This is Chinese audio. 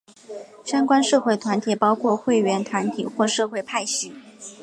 相关社会团体包括会员团体或社会派系。